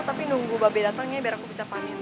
tapi nunggu babi datangnya biar aku bisa pamit